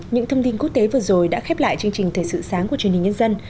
những thông tin quốc tế vừa rồi đã khép lại chương trình thời sự sáng của truyền hình nhân dân